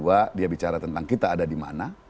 kemudian yang kedua dia bicara tentang kita ada di mana